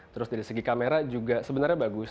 terus dari segi kamera juga sebenarnya bagus